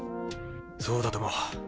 そうだとも。